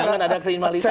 jangan ada kriminalisasi